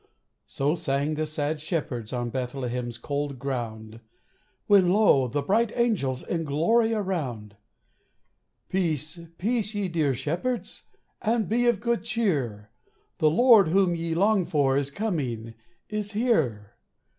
So sang the sad shepherds On Bethlehem's cold ground When lo, the bright angels In glory around! "Peace, peace, ye dear shepherds, And be of good cheer; The Lord whom ye long for Is coming is here!